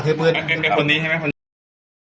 อ๋อเธอเปิดเป็นคนนี้ใช่ไหม